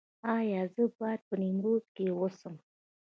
ایا زه باید په نیمروز کې اوسم؟